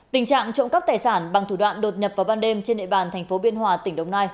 tình trạng trộm cắp tài sản bằng thủ đoạn đột nhập vào ban đêm trên nệ bàn tp biên hòa tỉnh đồng nai